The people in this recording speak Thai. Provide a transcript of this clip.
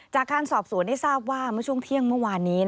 จากการสอบสวนได้ทราบว่าเมื่อช่วงเที่ยงเมื่อวานนี้